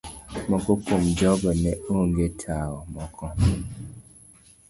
Moko kuom jogo ne ogwe tawo, moko